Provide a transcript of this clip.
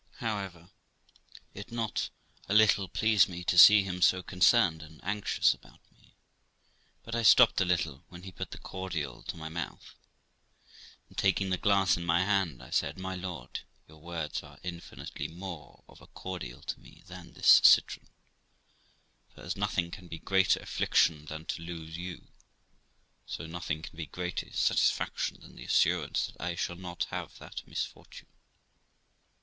However, it not a little pleased me to see him so concerned and anxious about me, but I stopped a little when he put the cordial to my mouth, and, taking the glass in my hand, I said, 'My lord, your words are infinitely more of a cordial to me than this citron ; for, as nothing can be a greater affliction than to lose you, so nothing can be a greater satisfaction than the assurance that I shall not have that misfortune.'